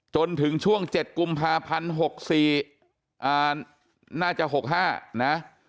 จนถึงช่วง๗กุมภาพันธ์๖๔น่าจะ๖๕นะ